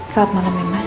selamat malem ya mas